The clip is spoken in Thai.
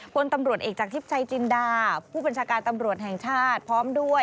พลตำรวจเอกจากทิพย์ชัยจินดาผู้บัญชาการตำรวจแห่งชาติพร้อมด้วย